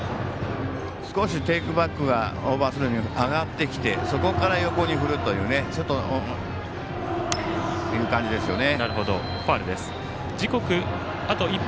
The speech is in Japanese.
少しテイクバックがオーバースローに上がってきて、そこから横に振るという感じですよね。